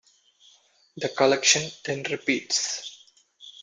The collection then repeats.